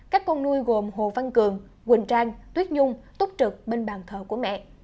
các con nuôi gồm hồ văn cường quỳnh trang tuyết dung túc trực bên bàn thờ của mẹ